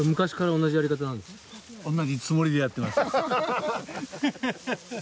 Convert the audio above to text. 同じつもりでやってます。